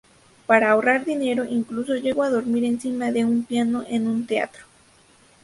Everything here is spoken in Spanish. Para ahorrar dinero incluso llegó a dormir encima de un piano en un teatro.